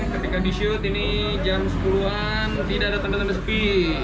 ketika di shoot ini jam sepuluh an tidak ada tanda tanda sepi